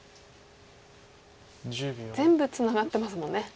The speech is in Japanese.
全部ツナがってますもんね。